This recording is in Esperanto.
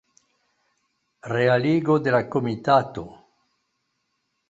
Realigo de la komitato.